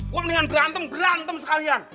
gue mendingan berantem berantem sekalian